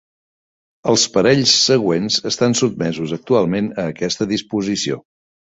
Els parells següents estan sotmesos actualment a aquesta disposició.